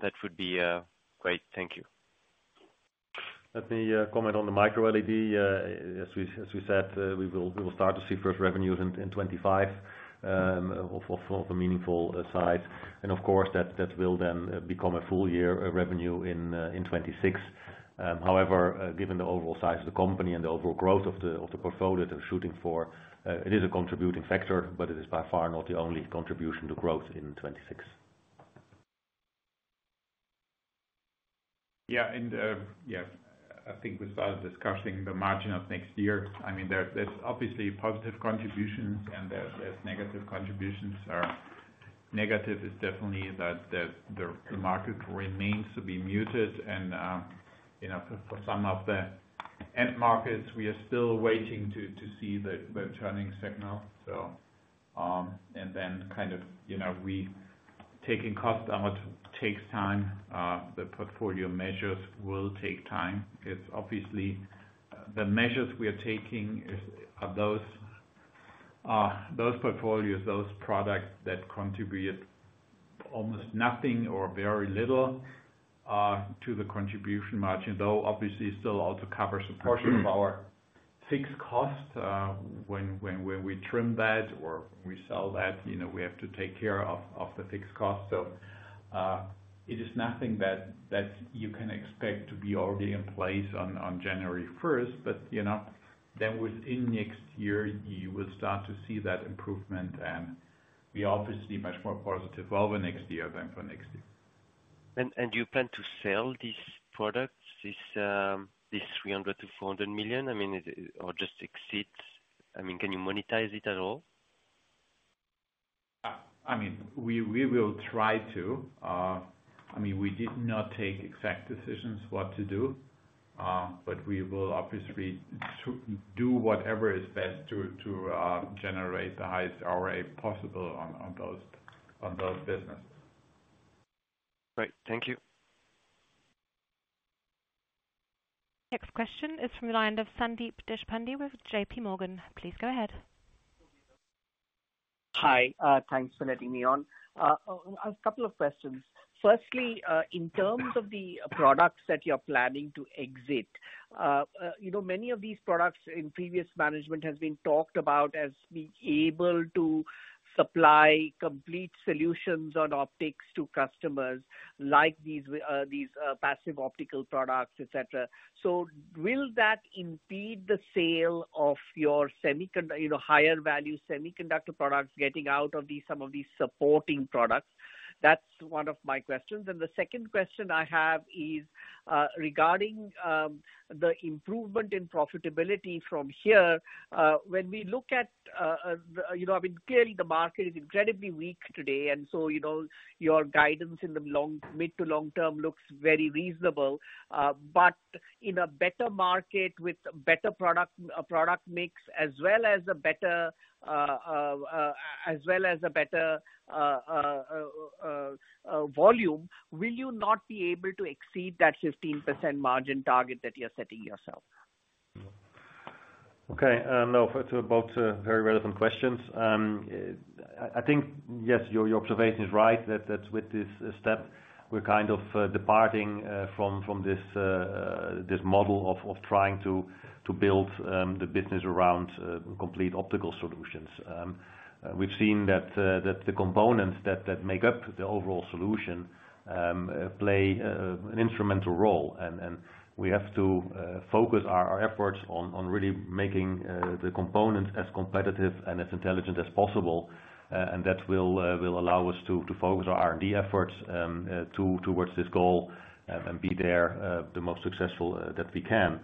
That would be great. Thank you. Let me comment on the microLED. As we, as we said, we will, we will start to see first revenues in, in 2025, of, of, of a meaningful size. Of course, that, that will then become a full year revenue in 2026. However, given the overall size of the company and the overall growth of the, of the portfolio that we're shooting for, it is a contributing factor, but it is by far not the only contribution to growth in 2026. Yeah, I think with regard to discussing the margin of next year, I mean, there, there's obviously positive contributions and there's negative contributions. Negative is definitely that, that the, the market remains to be muted and, you know, for, for some of the end markets, we are still waiting to, to see the, the turning signal. Then kind of, you know, Taking cost out takes time. The portfolio measures will take time. It's obviously, the measures we are taking is, are those, those portfolios, those products that contribute almost nothing or very little to the contribution margin, though obviously still also covers a portion of our fixed cost. When, when, when we trim that or we sell that, you know, we have to take care of, of the fixed cost. It is nothing that, that you can expect to be already in place on, on January 1st, but, you know, then within next year, you will start to see that improvement, and we are obviously much more positive over next year than for next year. You plan to sell these products, this, this 300 million-400 million? I mean, is it, or just exit? I mean, can you monetize it at all? I mean, we, we will try to. I mean, we did not take exact decisions what to do, but we will obviously do whatever is best to, to, generate the highest RA possible on, on those, on those businesses. Great, thank you. Next question is from the line of Sandeep Deshpande with J.P. Morgan. Please go ahead. Hi, thanks for letting me on. A couple of questions. Firstly, in terms of the products that you're planning to exit, you know, many of these products in previous management has been talked about as being able to supply complete solutions on optics to customers, like these, these passive optical products, et cetera. Will that impede the sale of your, you know, higher value semiconductor products getting out of these, some of these supporting products? That's one of my questions. The second question I have is regarding the improvement in profitability from here. When we look at, you know, I mean, clearly the market is incredibly weak today, and so, you know, your guidance in the long, mid to long term looks very reasonable. In a better market with better product, product mix, as well as a better, volume, will you not be able to exceed that 15% margin target that you're setting yourself? Okay, no, for, to both, very relevant questions. I think, yes, your, your observation is right, that, that with this step, we're kind of departing from, from this, this model of, of trying to, to build the business around complete optical solutions. We've seen that, that the components that, that make up the overall solution play an instrumental role. We have to focus our, our efforts on, on really making the components as competitive and as intelligent as possible. That will allow us to, to focus our R&D efforts towards this goal, and be there the most successful that we can.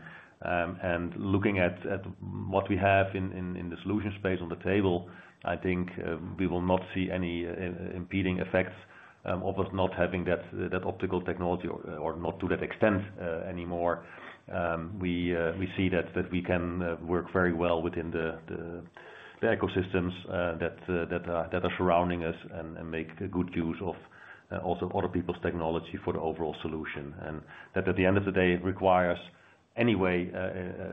Looking at, at what we have in, in, in the solution space on the table, I think, we will not see any i- impeding effects, of us not having that, that optical technology or, or not to that extent, anymore. We, we see that, that we can, work very well within the, the, the ecosystems, that, that are, that are surrounding us and, and make good use of, also other people's technology for the overall solution. That, at the end of the day, requires anyway,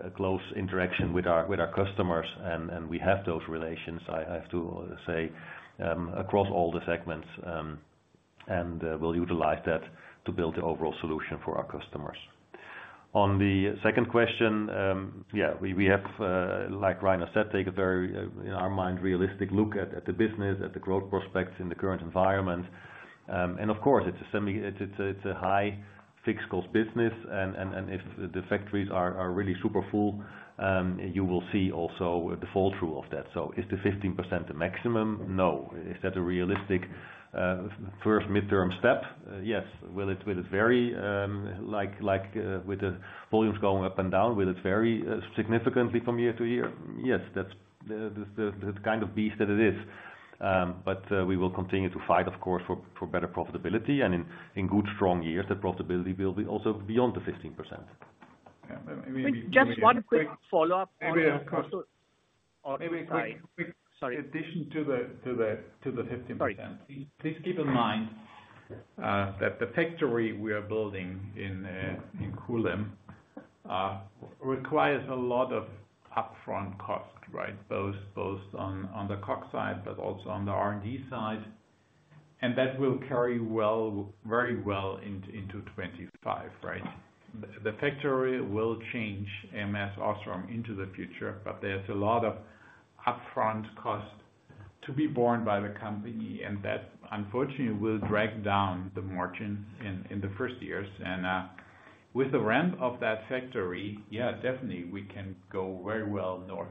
a close interaction with our, with our customers, and, and we have those relations, I, I have to say, across all the segments, ...- and, we'll utilize that to build an overall solution for our customers. On the second question, yeah, we, we have, like Rainer said, take a very, in our mind, realistic look at, at the business, at the growth prospects in the current environment. Of course, it's a semi- it's a, it's a high fixed cost business, and, and, and if the factories are, are really super full, you will see also the fall through of that. So is the 15% the maximum? No. Is that a realistic, first midterm step? Yes. Will it, will it vary, like, like, with the volumes going up and down, will it vary, significantly from year to year? Yes, that's the, the, the kind of beast that it is. We will continue to fight, of course, for, for better profitability, and in, in good, strong years, the profitability will be also beyond the 15%. Yeah, maybe. Just one quick follow-up on the cost or- Maybe a quick- Sorry. Addition to the, to the, to the 15%. Sorry. Please keep in mind that the factory we are building in Kulim requires a lot of upfront cost, right? Both, both on, on the CapEx side, but also on the R&D side, and that will carry well- very well into, into 25, right? The factory will change ams OSRAM into the future, but there's a lot of upfront cost to be borne by the company, and that, unfortunately, will drag down the margins in, in the first years. With the ramp of that factory, yeah, definitely we can go very well north,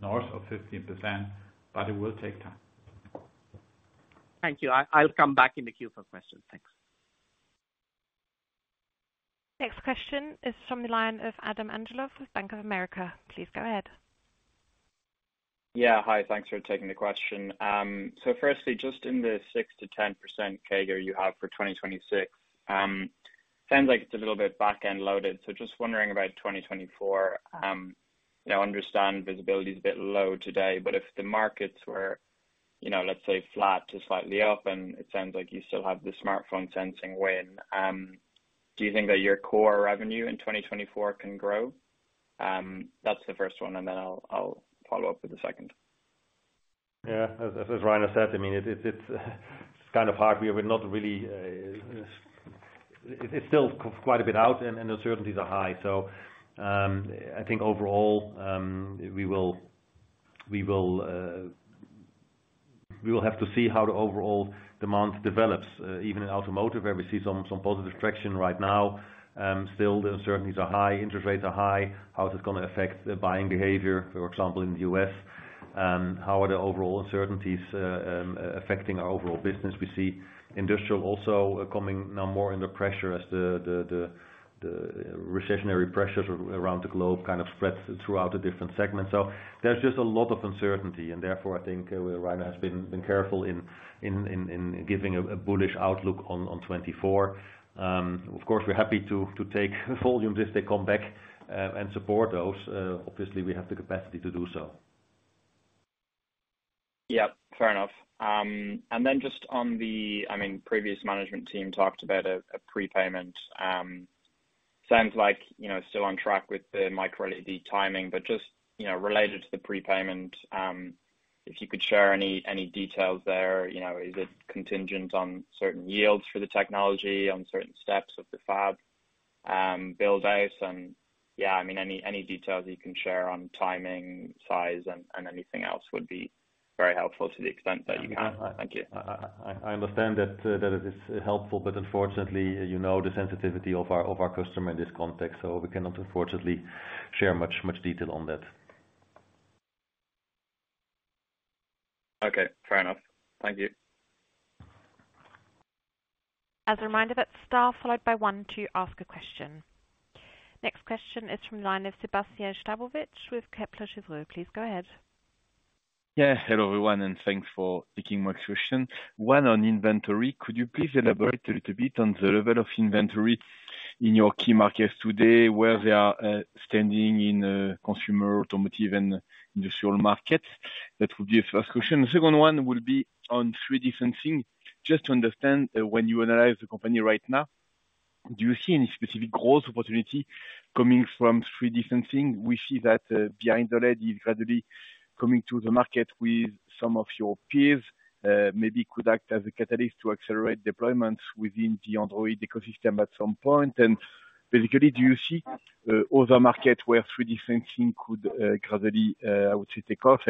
north of 15%, but it will take time. Thank you. I'll come back in the queue for questions. Thanks. Next question is from the line of Adam Angelov from Bank of America. Please go ahead. Yeah, hi, thanks for taking the question. Firstly, just in the 6%-10% CAGR you have for 2026, sounds like it's a little bit back-end loaded. Just wondering about 2024, I understand visibility is a bit low today, but if the markets were, you know, let's say flat to slightly up, and it sounds like you still have the smartphone sensing win, do you think that your core revenue in 2024 can grow? That's the first one, then I'll follow up with the second. Yeah. As, as Rainer said, I mean, it, it, it's, kind of hard. We are not really. It, it's still quite a bit out, and, and the uncertainties are high. I think overall, we will, we will, we will have to see how the overall demand develops, even in automotive, where we see some, some positive traction right now. Still, the uncertainties are high, interest rates are high. How is it gonna affect the buying behavior, for example, in the US? How are the overall uncertainties affecting our overall business? We see industrial also coming now more under pressure as the, the, the, the recessionary pressures around the globe kind of spreads throughout the different segments. There's just a lot of uncertainty, and therefore, I think Rainer has been, been careful in, in, in, in giving a, a bullish outlook on, on 2024. Of course, we're happy to, to take volumes if they come back, and support those. Obviously, we have the capacity to do so. Yeah, fair enough. Then just on the, I mean, previous management team talked about a prepayment, sounds like, you know, still on track with the microLED timing, but just, you know, related to the prepayment, if you could share any details there, you know, is it contingent on certain yields for the technology, on certain steps of the fab, build out? Yeah, I mean, any details you can share on timing, size, and anything else would be very helpful to the extent that you can. Thank you. I understand that it is helpful. Unfortunately, you know the sensitivity of our, of our customer in this context. We cannot unfortunately share much, much detail on that. Okay, fair enough. Thank you. As a reminder, that's star followed by 1 to ask a question. Next question is from line of Sébastien Sztabowicz with Kepler Cheuvreux. Please go ahead. Yeah, hello, everyone, thanks for taking my question. One, on inventory, could you please elaborate a little bit on the level of inventory in your key markets today, where they are standing in consumer, automotive, and industrial markets? That would be the first question. The second one will be on 3D sensing. Just to understand, when you analyze the company right now, do you see any specific growth opportunity coming from 3D sensing? We see that behind-OLED, you're gradually coming to the market with some of your peers, maybe could act as a catalyst to accelerate deployments within the Android ecosystem at some point. Basically, do you see other markets where 3D sensing could gradually, I would say, take off?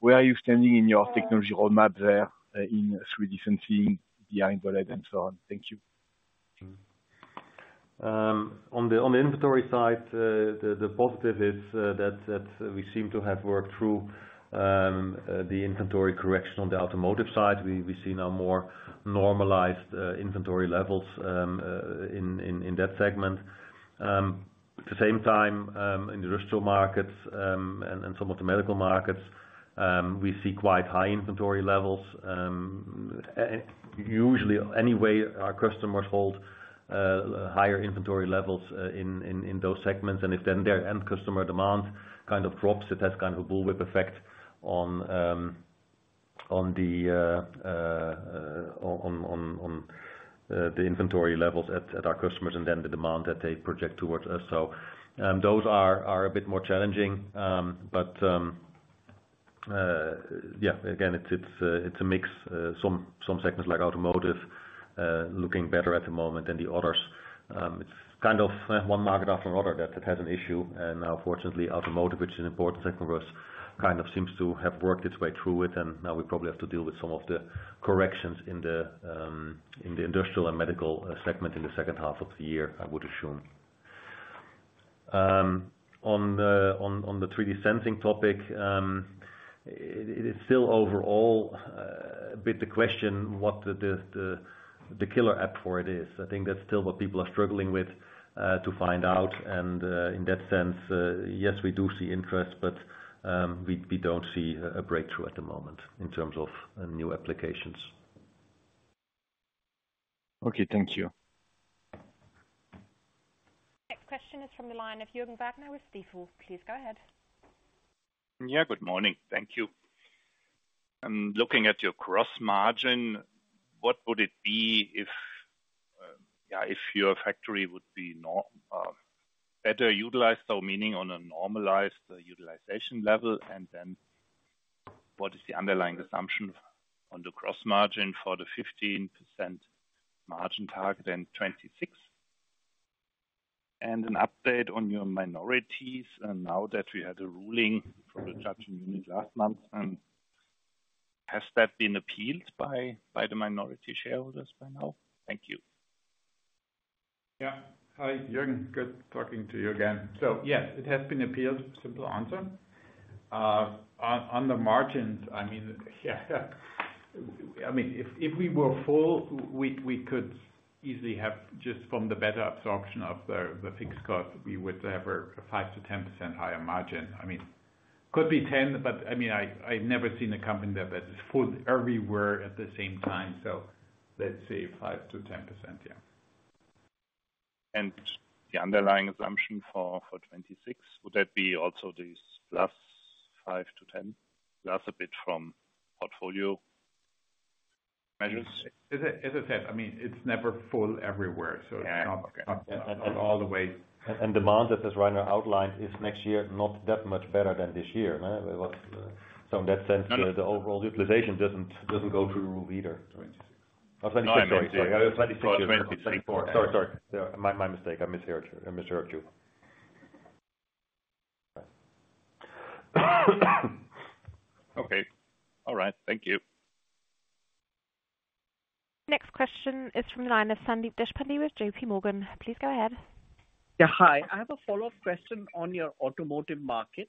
Where are you standing in your technology roadmap there in 3 different things behind-OLED and so on? Thank you. On the, on the inventory side, the, the positive is that, that we seem to have worked through the inventory correction on the automotive side. We, we see now more normalized inventory levels in, in, in that segment. At the same time, in the industrial markets, and, and some of the medical markets, we see quite high inventory levels. Usually, anyway, our customers hold higher inventory levels in, in, in those segments, and if then their end customer demand kind of drops, it has kind of a bullwhip effect on the inventory levels at, at our customers and then the demand that they project towards us. Those are, are a bit more challenging, but-... Yeah, again, it's, it's a mix. Some segments like automotive, looking better at the moment than the others. It's kind of, one market after another that has had an issue, and now fortunately, automotive, which is an important segment for us, kind of seems to have worked its way through it. Now we probably have to deal with some of the corrections in the industrial and medical segment in the second half of the year, I would assume. On the 3D sensing topic, it is still overall, a bit the question, what the killer app for it is? I think that's still what people are struggling with, to find out, and, in that sense, yes, we do see interest, but, we, we don't see a, a breakthrough at the moment in terms of, new applications. Okay, thank you. Next question is from the line of Juergen Wagner with Stifel. Please go ahead. Yeah, good morning. Thank you. Looking at your cross margin, what would it be if your factory would be better utilized, so meaning on a normalized utilization level, and then what is the underlying assumption on the gross margin for the 15% margin target, then 2026? An update on your minorities, now that we have the ruling from the judge in Munich last month, has that been appealed by the minority shareholders by now? Thank you. Yeah. Hi, Juergen, good talking to you again. Yes, it has been appealed. Simple answer. On, on the margins, I mean, yeah, I mean, if, if we were full, we, we could easily have, just from the better absorption of the, the fixed cost, we would have a 5%-10% higher margin. I mean, could be 10, I mean, I, I've never seen a company that is full everywhere at the same time. Let's say 5%-10%, yeah. The underlying assumption for, for 2026, would that be also this plus 5-10, plus a bit from portfolio measures? As I, as I said, I mean, it's never full everywhere, so... Yeah. it's not, not, not all the way. Demand, as Rainer outlined, is next year, not that much better than this year, right? In that sense, the overall utilization doesn't, doesn't go through either. 26. Oh, 26, sorry. Sorry, 26. Sorry, sorry, yeah, my, my mistake. I misheard you, I misheard you. Okay. All right. Thank you. Next question is from the line of Sandeep Deshpande with J.P. Morgan. Please go ahead. Yeah, hi. I have a follow-up question on your automotive market.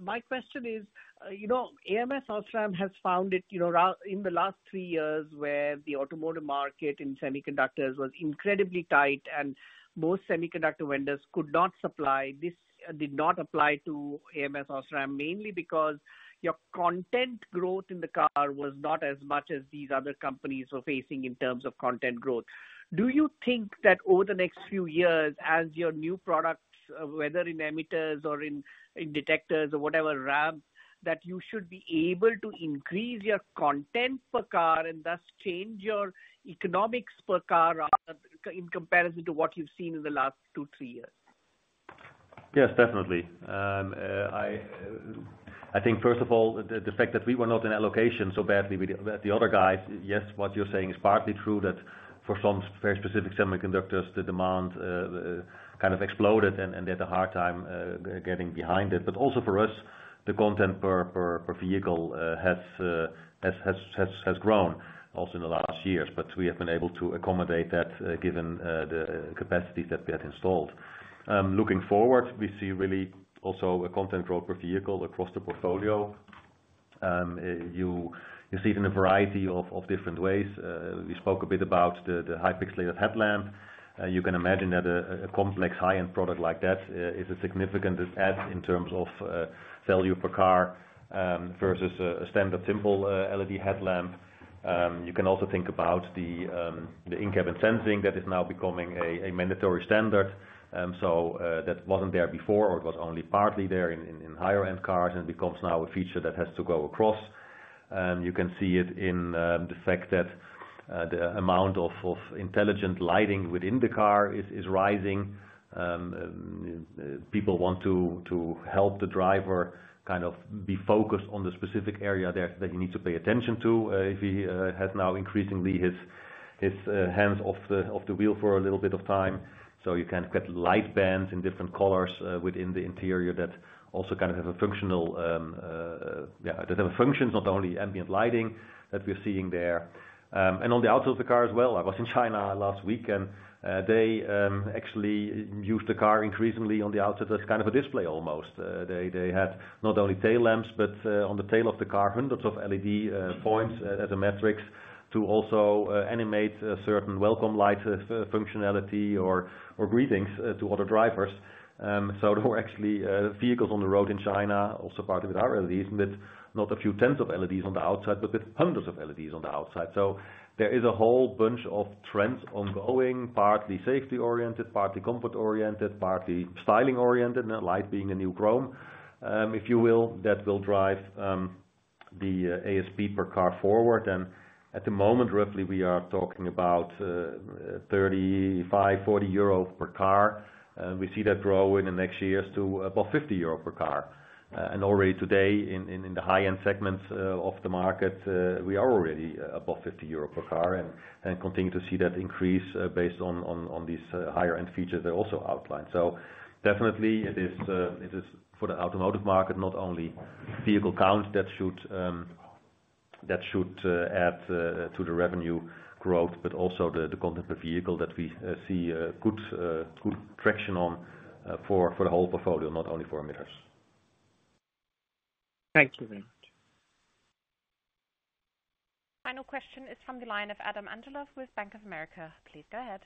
My question is, you know, ams OSRAM has found it, you know, in the last 3 years, where the automotive market in semiconductors was incredibly tight, and most semiconductor vendors could not supply. This did not apply to ams OSRAM, mainly because your content growth in the car was not as much as these other companies were facing in terms of content growth. Do you think that over the next few years, as your new products, whether in emitters or in, in detectors or whatever, ams, that you should be able to increase your content per car and thus change your economics per car, rather, in comparison to what you've seen in the last 2, 3 years? think first of all, the fact that we were not in allocation so badly with the other guys, yes, what you're saying is partly true, that for some very specific semiconductors, the demand kind of exploded, and they had a hard time getting behind it. But also for us, the content per vehicle has grown also in the last years, but we have been able to accommodate that, given the capacities that we have installed. Looking forward, we see really also a content growth per vehicle across the portfolio. You see it in a variety of different ways. We spoke a bit about the high pixel headlamp You can imagine that a complex high-end product like that is a significant add in terms of value per car versus a standard simple LED headlamp. You can also think about the in-cabin sensing that is now becoming a mandatory standard. That wasn't there before or it was only partly there in higher end cars and becomes now a feature that has to go across. You can see it in the fact that the amount of intelligent lighting within the car is rising. People want to, to help the driver kind of be focused on the specific area that, that he needs to pay attention to, if he has now increasingly his, his, hands off the, off the wheel for a little bit of time. You can get light bands in different colors within the interior that also kind of have a functional, yeah, that have functions, not only ambient lighting that we're seeing there. On the outside of the car as well, I was in China last week, and they actually use the car increasingly on the outside as kind of a display almost. They, they had not only tail lamps, but on the tail of the car, hundreds of LED points as, as a matrix to also animate a certain welcome light functionality or, or greetings to other drivers. There were actually vehicles on the road in China, also partly with our LEDs, and with not a few tens of LEDs on the outside, but with hundreds of LEDs on the outside. There is a whole bunch of trends ongoing, partly safety-oriented, partly comfort-oriented, partly styling-oriented, and light being a new chrome, if you will, that will drive the ASP per car forward, and at the moment, roughly we are talking about 35-40 euro per car. We see that grow in the next years to above 50 euro per car. Already today, in, in, in the high-end segments of the market, we are already above 50 euro per car, and, and continue to see that increase based on, on, on these higher end features that are also outlined. Definitely it is for the automotive market, not only vehicle count that should that should add to the revenue growth, but also the, the content per vehicle that we see good traction on for, for the whole portfolio, not only for emitters. Thank you very much. Final question is from the line of Adam Angelov with Bank of America. Please go ahead.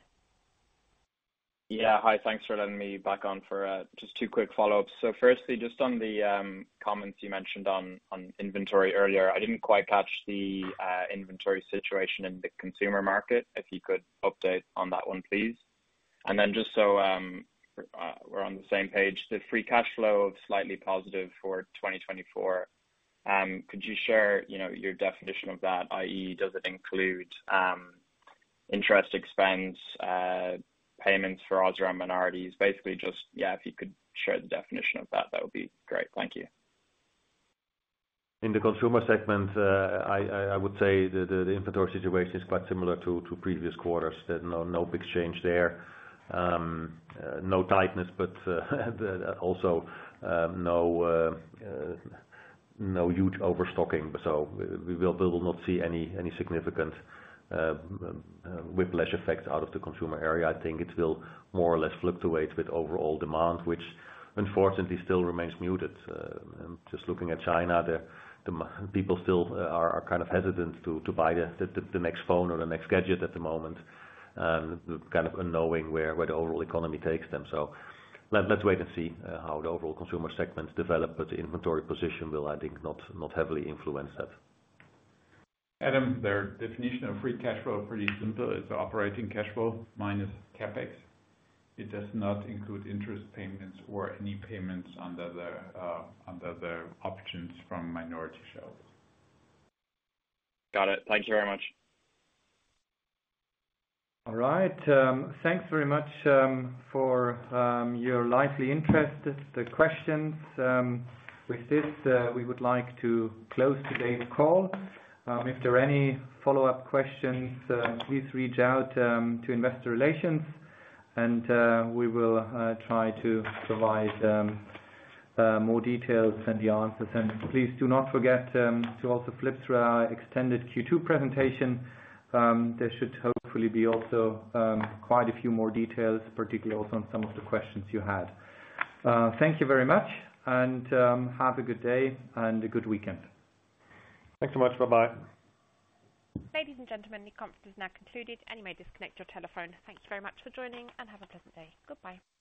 Yeah, hi. Thanks for letting me back on for just 2 quick follow-ups. Firstly, just on the comments you mentioned on, on inventory earlier, I didn't quite catch the inventory situation in the consumer market. If you could update on that one, please. Just so we're on the same page, the free cash flow of slightly positive for 2024, could you share, you know, your definition of that? i.e., does it include interest expense, payments for other minorities? Basically, just, yeah, if you could share the definition of that, that would be great. Thank you. In the consumer segment, I, I, I would say the, the, the inventory situation is quite similar to, to previous quarters. There's no, no big change there. No tightness, but also no huge overstocking. We will not see any, any significant whiplash effect out of the consumer area. I think it will more or less flip the weight with overall demand, which unfortunately still remains muted. Just looking at China, people still are, are kind of hesitant to, to buy the, the, the next phone or the next gadget at the moment, kind of unknowing where, where the overall economy takes them. Let, let's wait and see how the overall consumer segments develop, but the inventory position will, I think, not, not heavily influence that. Adam, their definition of free cash flow is pretty simple. It's operating cash flow minus CapEx. It does not include interest payments or any payments under the options from minority sales. Got it. Thank you very much. All right, thanks very much, for your lively interest, the questions. With this, we would like to close today's call. If there are any follow-up questions, please reach out to Investor Relations, and we will try to provide more details and the answers. Please do not forget to also flip through our extended Q2 presentation. There should hopefully be also quite a few more details, particularly also on some of the questions you had. Thank you very much, and have a good day and a good weekend. Thanks so much. Bye-bye. Ladies and gentlemen, the conference is now concluded, and you may disconnect your telephone. Thank you very much for joining, and have a pleasant day. Goodbye.